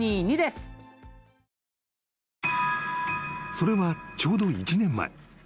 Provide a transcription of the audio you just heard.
［それはちょうど１年前］